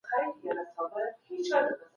د مذهب په قضيه کي تشدد مه کوئ.